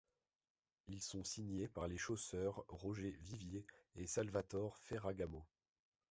Ils sont signés par les chausseurs Roger Vivier, et Salvatore Ferragamo.